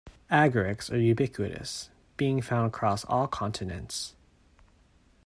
Agarics are ubiquitous, being found across all continents.